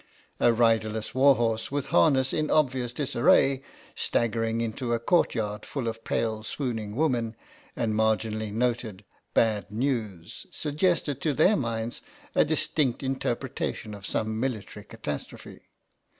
A riderless warhorse with harness in obvious disarray, staggering into a courtyard full of pale swooning women, and marginally noted " Bad News,*' suggested to their minds a distinct interpretation of some military catastrophe.